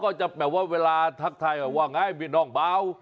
ก็จะแปลว่าเวลาทักทายบีนองเบา